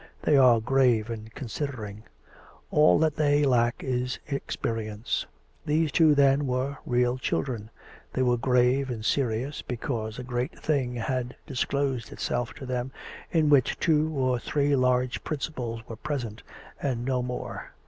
They are grave and considering: all that they lack is experience. These two, then, were real children; they were grave and serious because a great thing had disclosed itself to them in which two or three large principles were present, and no more.